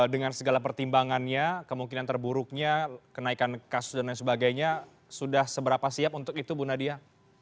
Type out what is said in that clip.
dengan segala pertimbangannya kemungkinan terburuknya kenaikan kasus dan lain sebagainya sudah seberapa siap untuk itu bu nadia